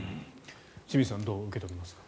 清水さんどう受け止めますか？